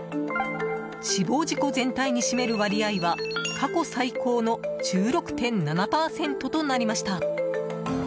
死亡事故全体に占める割合は過去最高の１６．７％となりました。